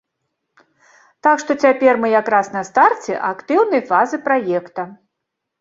Так што цяпер мы якраз на старце актыўнай фазы праекта.